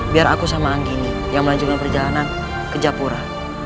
biar aku sama anggini yang melanjutkan perjalanan ke japura